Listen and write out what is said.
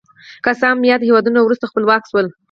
که څه هم یاد هېوادونه وروسته خپلواک شول.